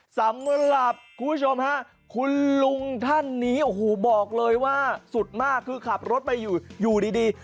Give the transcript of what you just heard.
สำหรับคุณผู้ชมฮะคุณลุงท่านนี้โอ้โหบอกเลยว่าสุดมากคือขับรถไปอยู่อยู่ดี